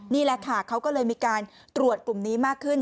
นี่แหละค่ะเขาก็เลยมีการตรวจกลุ่มนี้มากขึ้น